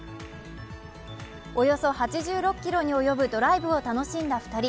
およそ８６ｋｍに及ぶドライブを楽しんだ２人。